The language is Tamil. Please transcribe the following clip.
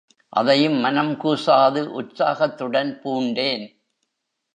அதையும் மனங் கூசாது உற்சாகத்துடன் பூண்டேன்.